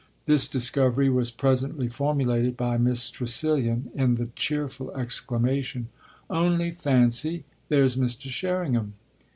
This discovery was presently formulated by Miss Tressilian in the cheerful exclamation: "Only fancy there's Mr. Sherringham!"